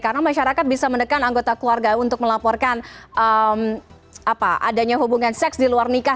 karena masyarakat bisa mendekat anggota keluarga untuk melaporkan adanya hubungan seks di luar nikah